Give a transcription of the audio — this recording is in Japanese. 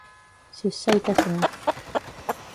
出社いたします。